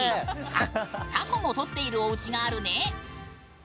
あ、タコも獲っているおうちがあるね。